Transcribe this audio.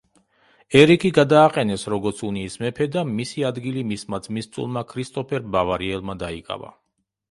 ერიკი გადააყენეს როგორც უნიის მეფე და მისი ადგილი მისმა ძმისწულმა ქრისტოფერ ბავარიელმა დაიკავა.